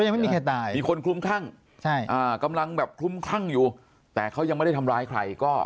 มีคนคลุมคั่งกำลังคลุมคั่งอยู่แต่เขายังไม่ได้ทำร้ายใคร